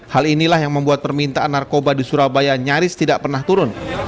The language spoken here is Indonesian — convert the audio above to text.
hal inilah yang membuat permintaan narkoba di surabaya nyaris tidak pernah turun